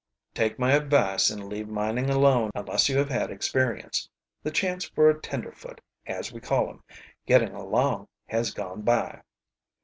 "Take my advice and leave mining alone unless you have had experience. The chance for a tenderfoot, as we call 'em, getting along has gone by."